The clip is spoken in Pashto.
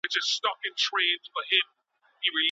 ایا ملي بڼوال بادام صادروي؟